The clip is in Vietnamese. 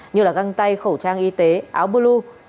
như là găng tay khẩu trang y tế áo blue